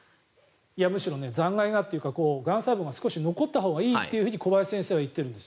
むしろ残骸がというかがん細胞が少し残ったほうがいいと小林先生は言ってるんですよ。